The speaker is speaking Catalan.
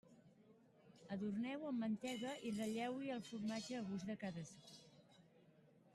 Adorneu-ho amb la mantega i ratlleu-hi el formatge a gust de cadascú.